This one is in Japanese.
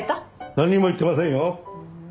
なんにも言ってませんよ！